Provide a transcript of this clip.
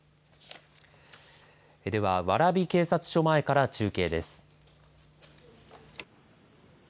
では、蕨警察署前から中継です。